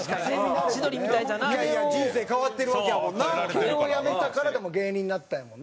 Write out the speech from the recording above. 慶應辞めたからでも芸人になったんやもんな。